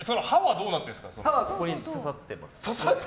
刃はここに刺さっています。